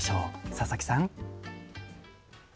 佐々木さん。